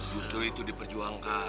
justru itu diperjuangkan